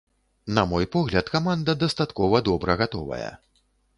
На мой погляд, каманда дастаткова добра гатовая.